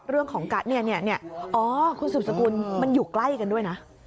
เรื่องของการเนี่ยอ๋อคุณสืบสกุลมันอยู่ใกล้กันด้วยนะ